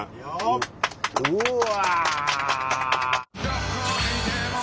うわ！